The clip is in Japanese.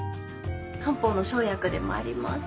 漢方の生薬でもあります。